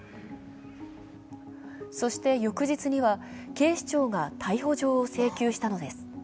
そして翌日には、警視庁が逮捕状を請求したのです。